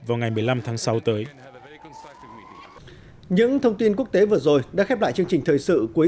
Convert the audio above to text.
vào ngày một mươi năm tháng sáu tới những thông tin quốc tế vừa rồi đã khép lại chương trình thời sự cuối